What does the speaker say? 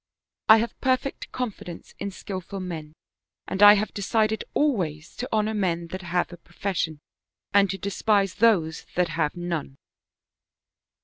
I have perfect confidence in skillful men and I have decided always to honor men that have a pro fession, and to despise those that have none."